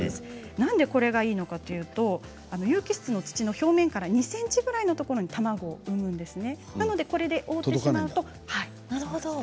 なぜこれがいいのか有機質の土の表面から２ｃｍぐらいのところに卵を産むんですね。